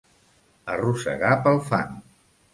Arrossegar pel fang.